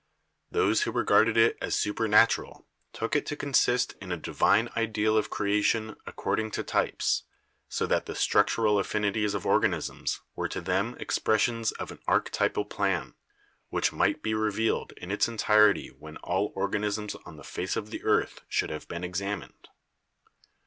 Those who regarded it as super natural took it to consist in a divine ideal of creation ac cording to types, so that the structural affinities of organ isms were to them expressions of an archetypal plan, which might be revealed in its entirety when all organisms on the face of the earth should have been examined.